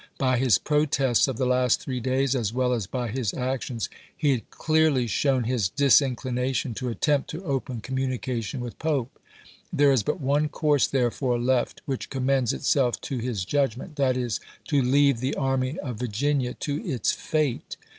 By his protests of the last three days, as well as by his actions, he had clearly shown his disinclination to attempt to open communication with Pope, There is but one course, therefore, left which commends itself to his judgment ; that is, to leave the Army of Virginia to its fate.